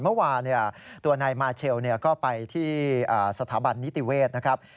เมื่อวานตัวนายมาเชลก็ไปที่สถาบันนิติเวศนะครับ